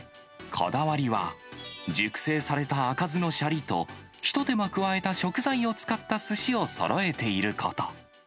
こだわりは、熟成された赤酢のしゃりと、一手間加えた食材を使ったすしをそろえていること。